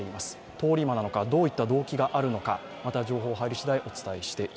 通り魔なのかどういった動機があるのかまた情報が入りしだい